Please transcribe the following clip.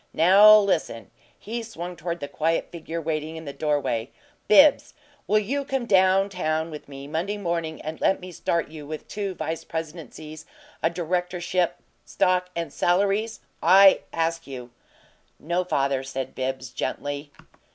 Now listen!" He swung toward the quiet figure waiting in the doorway. "Bibbs, will you come down town with me Monday morning and let me start you with two vice presidencies, a directorship, stock, and salaries? I ask you." "No, father," said Bibbs, gently.